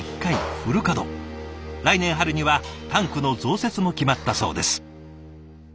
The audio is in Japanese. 来年春にはタンクの増設も決まったそうです。